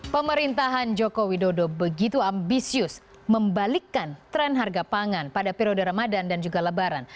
pemerintahan joko widodo begitu ambisius membalikkan tren harga pangan pada periode ramadan dan juga lebaran